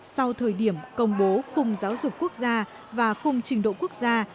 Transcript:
sau thời điểm công bố khung giáo dục quốc gia và khung trình độ quốc gia